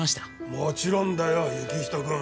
もちろんだよ行人君。